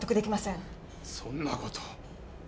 そんな事を！